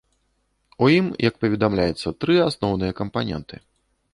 У ім, як паведамляецца, тры асноўныя кампаненты.